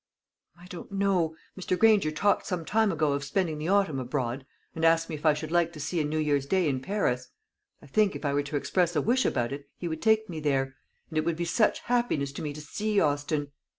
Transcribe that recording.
"I don't know. Mr. Granger talked some time ago of spending the autumn abroad, and asked me if I should like to see a New Year's day in Paris. I think, if I were to express a wish about it, he would take me there; and it would be such happiness to me to see Austin!"